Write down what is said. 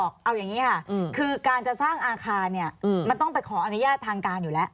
เอาอย่างนี้ค่ะคือการจะสร้างอาคารเนี่ยมันต้องไปขออนุญาตทางการอยู่แล้ว